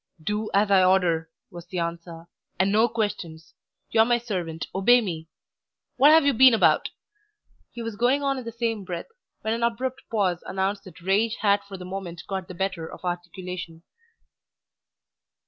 "Do as I order," was the answer, "and no questions! You are my servant, obey me! What have you been about ?" He was going on in the same breath, when an abrupt pause announced that rage had for the moment got the better of articulation.